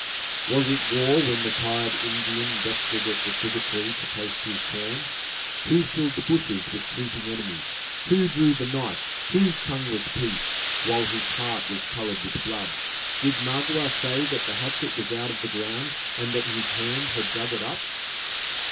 "Was it war, when the tired Indian rested at the sugartree to taste his corn! who filled the bushes with creeping enemies! who drew the knife, whose tongue was peace, while his heart was colored with blood! Did Magua say that the hatchet was out of the ground, and that his hand had dug it up?"